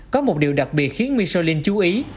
có một điều đặc biệt khiến michelin chú ý